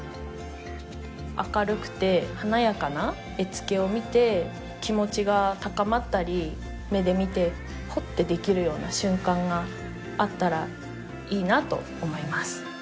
明るくて華やかな絵付けを見て気持ちが高まったり目で見てホッてできるような瞬間があったらいいなと思います